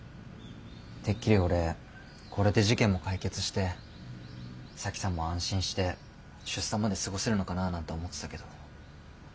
てっきり俺これで事件も解決して沙樹さんも安心して出産まで過ごせるのかなあなんて思ってたけど。